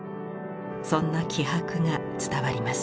そんな気迫が伝わります。